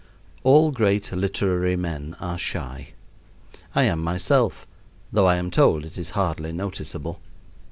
All great literary men are shy. I am myself, though I am told it is hardly noticeable.